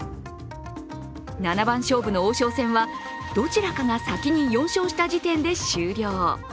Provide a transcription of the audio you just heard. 七番勝負の王将戦はどちらかが先に４勝した時点で終了